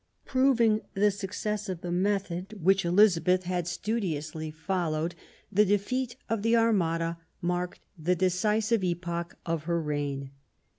Proving the success of the method which Elizabeth had studiously followed, the defeat of the Armada marked the decisive epoch of her reign.